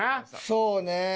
そうね。